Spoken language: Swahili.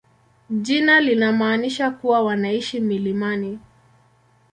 Jina linamaanisha kuwa wanaishi milimani.